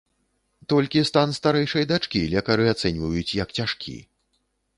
Толькі стан старэйшай дачкі лекары ацэньваюць як цяжкі.